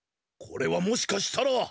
これはもしかしたら！？